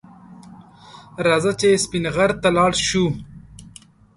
رځه چې سپین غر ته لاړ شو